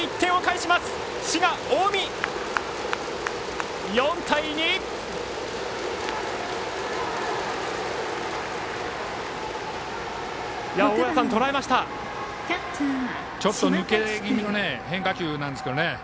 ちょっと抜け気味の変化球なんですけどね。